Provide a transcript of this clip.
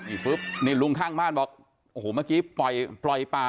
อีพึบในนิอยน์หลุงข้างบ้านบอกโอ้โหเมื่อกี้ปล่อยปล่อยปล่า